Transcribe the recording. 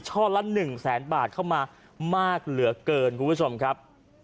ละ๑แสนบาทเข้ามามากเหลือเกินคุณผู้ชมครับ